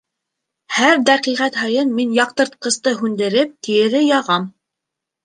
Һәр дәҡиғәт һайын мин яҡтыртҡсты һүндереп кире яғам.